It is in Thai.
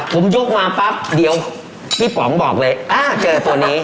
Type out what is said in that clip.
ผมยกมาปั๊บเดี๋ยวพี่ป๋องบอกเลยอ่าเจอตัวนี้